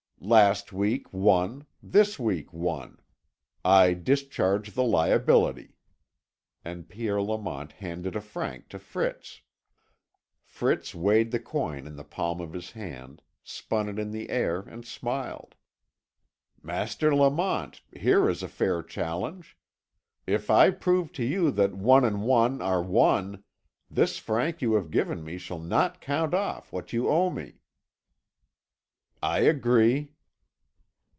"Last week, one; this week, one. I discharge the liability." And Pierre Lamont handed a franc to Fritz. Fritz weighed the coin in the palm of his hand, spun it in the air and smiled. "Master Lamont, here is a fair challenge. If I prove to you that one and one are one, this franc you have given me shall not count off what you owe me." "I agree."